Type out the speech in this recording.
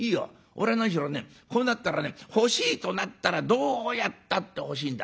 俺は何しろねこうなったらね欲しいとなったらどうやったって欲しいんだ。